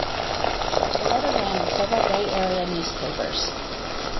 The letter ran in several Bay Area newspapers.